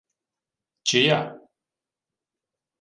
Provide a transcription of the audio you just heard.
— Чия?